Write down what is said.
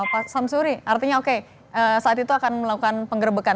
pak samsuri artinya oke saat itu akan melakukan penggerbekan